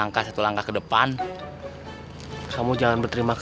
mayatnya gak ada kaltan gaya